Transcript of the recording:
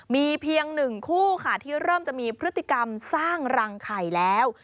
มีเพียงหนึ่งคู่ค่ะที่เริ่มจะมีพฤติกรรมสร้างรังไข่แล้ว